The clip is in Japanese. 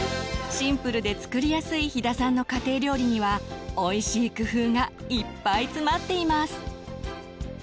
シンプルで作りやすい飛田さんの家庭料理にはおいしい工夫がいっぱい詰まっています。